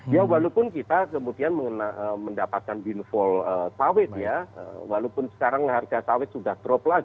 ya walaupun kita kemudian mendapatkan windfall sawit ya walaupun sekarang harga sawit sudah drop lagi